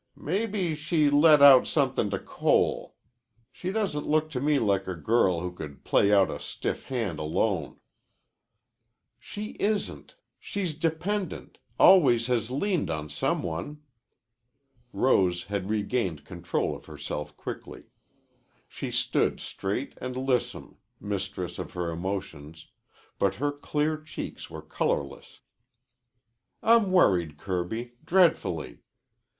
Mebbe she let out somethin' to Cole. She doesn't look to me like a girl who could play out a stiff hand alone." "She isn't. She's dependent always has leaned on some one." Rose had regained control of herself quickly. She stood straight and lissom, mistress of her emotions, but her clear cheeks were colorless. "I'm worried, Kirby, dreadfully.